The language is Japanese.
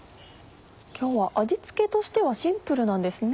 今日は味付けとしてはシンプルなんですね。